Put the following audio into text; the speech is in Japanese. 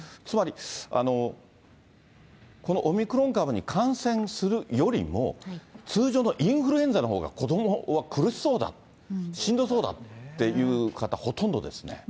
つまりこのオミクロン株に感染するよりも、通常のインフルエンザのほうが、子どもは苦しそうだ、しんどそうだっていう方、ほとんどですね。